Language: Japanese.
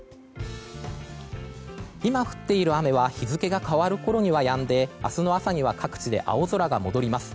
今降っている雨は日付が変わるころにはやんで明日の朝には各地で青空が戻ります。